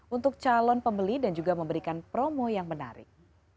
untuk calon pembeli dan juga memberikan promo yang menarik